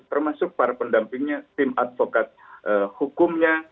termasuk para pendampingnya tim advokat hukumnya